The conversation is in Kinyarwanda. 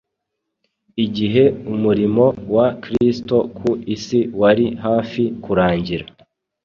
Igihe umurimo wa Kristo ku isi wari hafi kurangira